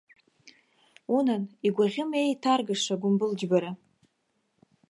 Унан, игәаӷьыма еиҭаргаша гәымбылџьбара?!